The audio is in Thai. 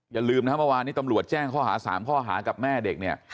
อย่าลืมนะครับเมื่อวานนี้ตำรวจแจ้งข้อหา๓ข้อหากับแม่เด็กเนี่ย